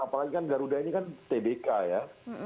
apalagi kan garuda ini kan tbk ya